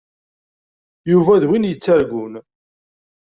Yuba d win yettargun.